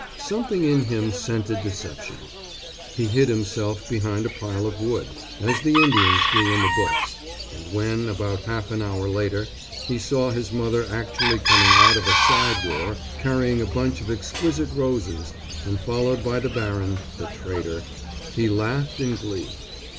Something in him scented deception. He hid himself behind a pile of wood, as the Indians do in the books, and when, about half an hour later, he saw his mother actually coming out of a side door carrying a bunch of exquisite roses and followed by the baron, the traitor, he laughed in glee.